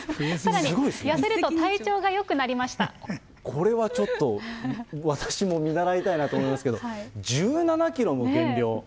さらに痩せると体調がよくなりまこれはちょっと、私も見習いたいなと思いますけれども、１７キロも減量。